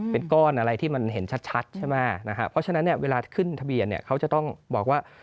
เป็นก้อนอะไรที่มันเห็นชัดใช่ไหมนะฮะเพราะฉะนั้นเนี่ยเวลาขึ้นทะเบียนเนี่ยเขาจะต้องบอกว่า